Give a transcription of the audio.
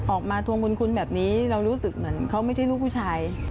ทวงบุญคุณแบบนี้เรารู้สึกเหมือนเขาไม่ใช่ลูกผู้ชาย